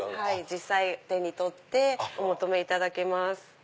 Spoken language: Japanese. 実際手に取ってお求めいただけます。